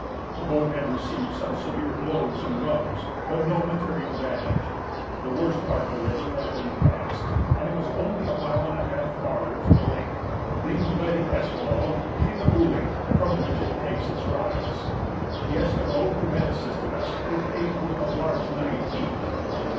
The boat had received some severe blows and rubs, but no material damage. The worst part of the river had been passed, and it was only a mile and a half farther to the lake (named by the Esquimaux Chi gi uwik) from which it takes its rise. The Esquimaux who had assisted us were paid with a large knife each.